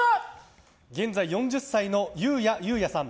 現在４０歳のゆうや裕夜さん。